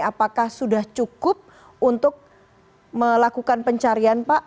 apakah sudah cukup untuk melakukan pencarian pak